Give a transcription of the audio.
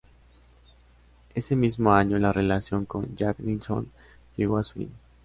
Ese mismo año la relación con Jack Nicholson llegó a su fin.